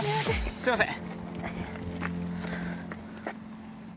すいません。